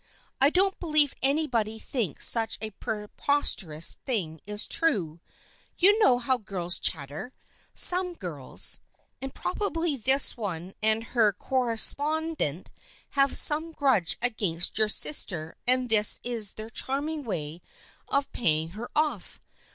I don't believe anybody thinks such a preposterous thing is true. You know how girls chatter — some girls. And probably this one and her correspond 210 THE FRIENDSHIP OF ANNE ent have some grudge against your sister and this is their charming way of paying her off.